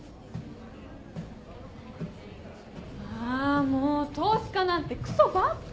あもう投資家なんてクソばっか！